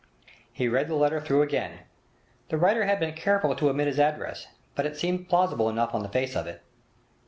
He read the letter through again. The writer had been careful to omit his address, but it seemed plausible enough on the face of it.